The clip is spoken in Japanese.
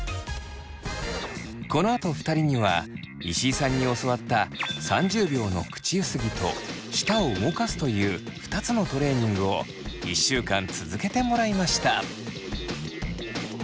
このあと２人には石井さんに教わった３０秒の口ゆすぎと舌を動かすという２つのトレーニングを１週間続けてもらいました。